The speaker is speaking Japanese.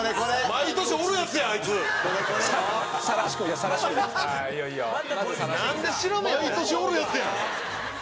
毎年おるヤツやん。